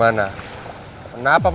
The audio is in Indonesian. tidak ada apa apa